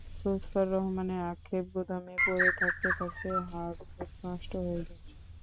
লুৎফর রহমানের আক্ষেপ, গুদামে পড়ে থাকতে থাকতে হার্ডবোর্ড নষ্ট হয়ে যাচ্ছে।